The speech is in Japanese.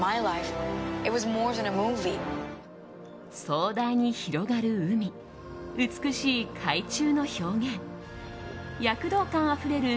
壮大に広がる海美しい海中の表現躍動感あふれる